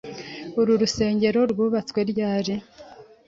Uru rusengero rwubatswe ryari?